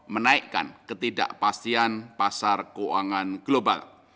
menaikkan ketidakpastian pasar keuangan global